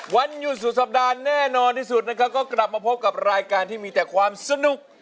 วันหยุดสุดสัปดาห์แน่นอนที่สุดนะครับก็กลับมาพบกับรายการที่มีแต่ความสนุก